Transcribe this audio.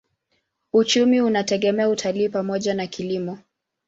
Uchumi unategemea utalii pamoja na kilimo.